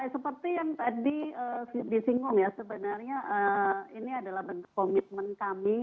seperti yang tadi disinggung ya sebenarnya ini adalah bentuk komitmen kami